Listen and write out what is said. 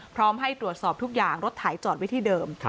พร้อมให้ตรวจสอบทุกอย่างรถไถจอดไว้ที่เดิม